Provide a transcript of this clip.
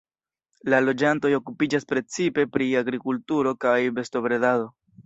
La loĝantoj okupiĝas precipe pri agrikulturo kaj bestobredado.